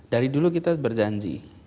dari dulu kita berjanji